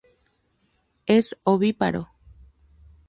Es ovíparo.